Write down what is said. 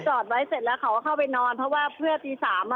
จอดไว้เสร็จแล้วเขาก็เข้าไปนอนเพราะว่าเพื่อตี๓